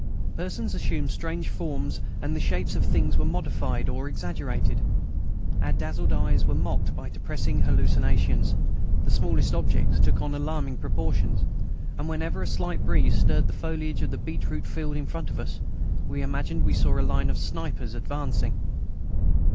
Persons assumed strange forms and the shapes of things were modified or exaggerated. Our dazzled eyes were mocked by depressing hallucinations; the smallest objects took on alarming proportions, and whenever a slight breeze stirred the foliage of the beetroot field in front of us we imagined we saw a line of snipers advancing.